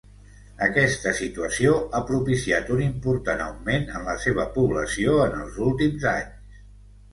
Aquesta situació ha propiciat un important augment en la seva població en els últims anys.